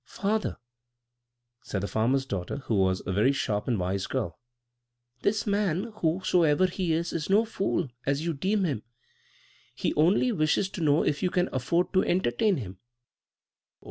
"Father," said the farmer's daughter, who was a very sharp and wise girl, "this man, whosoever he is, is no fool, as you deem him. He only wishes to know if you can afford to entertain him."